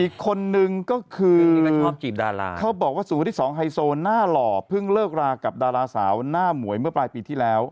อีกคนนึงก็คือดาราเขาบอกว่าสู่คนที่สองไฮโซหน้าหล่อเพิ่งเลิกรากับดาราสาวหน้าหมวยเมื่อปลายปีที่แล้ว